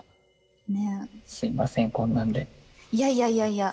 いやいやいやいや。